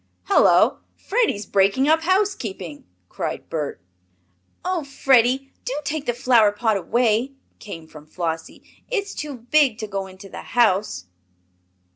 "Hullo! Freddie's breaking up housekeeping!" cried Bert. "Oh, Freddie! do take the flower pot away!" came from Flossie. "It's too big to go into the house."